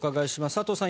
佐藤さん